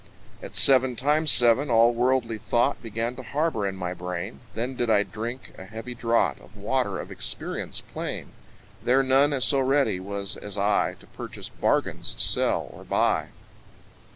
At seven times seven all worldly thought Began to harbour in my brain; Then did I drink a heavy draught Of water of experience plain; There none so ready was as I, To purchase bargains, sell, or buy.